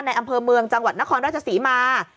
อำเภอเมืองจังหวัดนครราชศรีมา